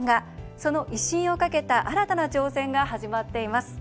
その威信をかけた新たな挑戦が始まっています。